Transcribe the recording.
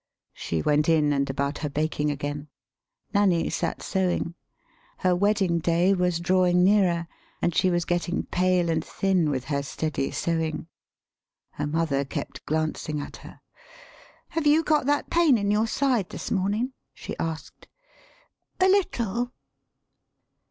She went in, and about her baking again. Nanny sat sewing. Her wedding day was drawing nearer, and she was getting pale and thin with her steady sewing. Her mother kept glancing at her. "Have you got that pain in your side this mornin'?" [she asked.] "A little."